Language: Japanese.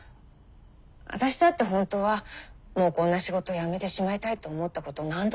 私だって本当はもうこんな仕事やめてしまいたいと思ったこと何度もあるわ。